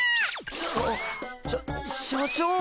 あっしゃ社長！